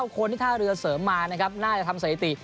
คนที่ท่าเรือเสริมมานะครับน่าจะทำสถิติ